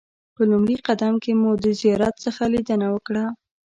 په لومړي قدم کې مو د زیارت څخه لیدنه وکړه.